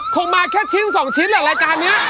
คงมาแค่ชิ้น๒ชิ้นแหละรายการนี้